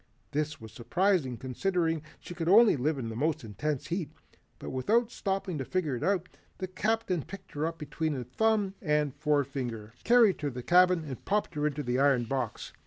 This was surprising considering she could only live in the most intense heat. But without stopping to figure it out, the Captain picked her up between thumb and forefinger, carried her to the cabin and popped her into the iron box.